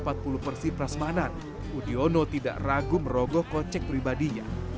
bahkan untuk memasak tiga puluh sampai empat puluh persi prasmanan udiono tidak ragu merogoh kocek pribadinya